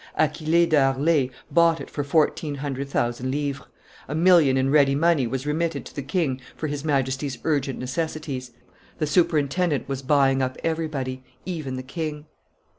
Achille de Harlay bought it for fourteen hundred thousand livres; a million in ready money was remitted to the king for his Majesty's urgent necessities; the superintendent was buying up everybody, even the king.